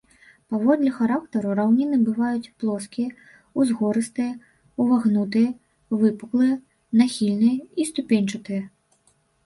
Паводле характару раўніны бываюць плоскія, узгорыстыя, увагнутыя, выпуклыя, нахільныя і ступеньчатыя.